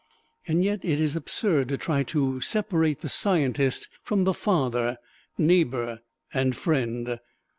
Yet it is absurd to try to separate the scientist from the father, neighbor and friend.